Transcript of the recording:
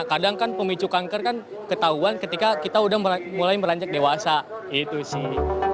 kadang kan pemicu kanker kan ketahuan ketika kita udah mulai beranjak dewasa gitu sih